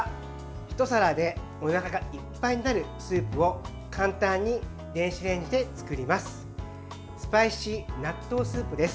ひと皿でおなかがいっぱいになるスープを簡単に電子レンジで作ります。